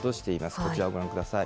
こちらをご覧ください。